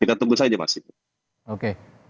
kita tunggu saja mas itu